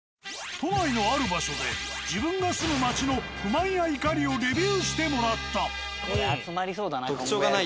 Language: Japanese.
都内のある場所で自分が住む町の不満や怒りをレビューしてもらった。